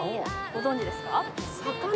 ご存じですか。